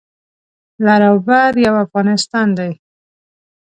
لر او بر یو افغانستان دی